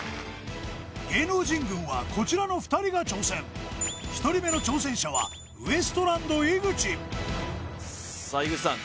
芸能人軍はこちらの２人が挑戦１人目の挑戦者はウエストランド井口さあ井口さん